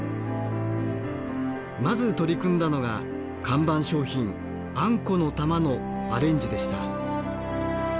まず取り組んだのが看板商品あんこの玉のアレンジでした。